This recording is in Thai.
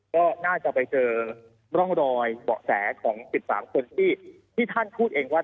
ก็น่าจะไปเจอร่องรอยเบาะแสของ๑๓คนที่ท่านพูดเองว่า